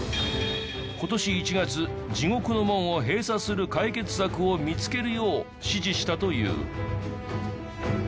今年１月地獄の門を閉鎖する解決策を見つけるよう指示したという。